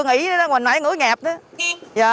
nghỉ nữa ngoài nãy ngủ nhẹp nữa